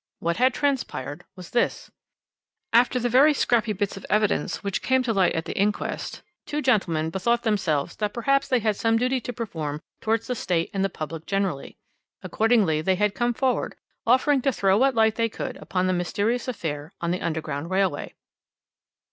"What had transpired was this: "After the very scrappy bits of evidence which came to light at the inquest, two gentlemen bethought themselves that perhaps they had some duty to perform towards the State and the public generally. Accordingly they had come forward, offering to throw what light they could upon the mysterious affair on the Underground Railway.